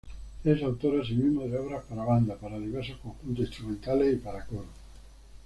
Es autor asimismo de obras para banda, para diversos conjuntos instrumentales y para coro.